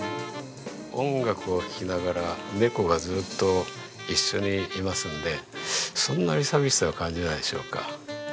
音楽を聴きながら猫がずっと一緒にいますのでそんなに寂しさは感じないでしょうか。